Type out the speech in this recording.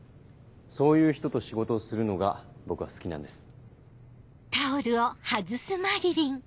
そういう人と仕事をするのが僕は好きなんです。